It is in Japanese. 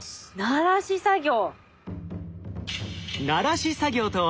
ならし作業。